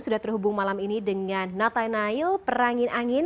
sudah terhubung malam ini dengan nata nail perangin angin